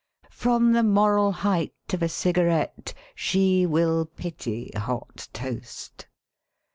From the moral lieight of a cigarette she will pity hot toast.